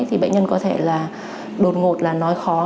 thì bệnh nhân có thể là đột ngột là nói khó